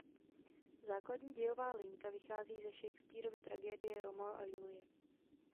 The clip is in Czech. Základní dějová linka vychází ze Shakespearovy tragédie "Romeo a Julie".